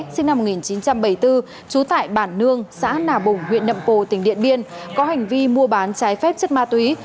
sinh năm một nghìn chín trăm bảy mươi bốn trú tại bản nương xã nà bủng huyện nậm pồ tỉnh điện biên có hành vi mua bán trái phép chất ma túy